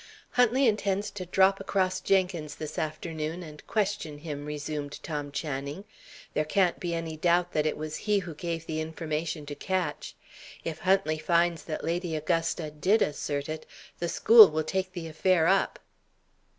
"Huntley intends to drop across Jenkins this afternoon, and question him," resumed Tom Channing. "There can't be any doubt that it was he who gave the information to Ketch. If Huntley finds that Lady Augusta did assert it, the school will take the affair up."